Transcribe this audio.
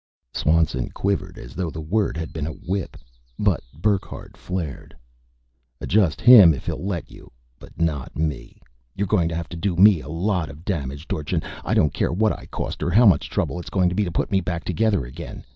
Swanson quivered as though the word had been a whip; but Burckhardt flared: "Adjust him, if he'll let you but not me! You're going to have to do me a lot of damage, Dorchin. I don't care what I cost or how much trouble it's going to be to put me back together again.